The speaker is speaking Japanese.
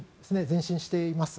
前進しています。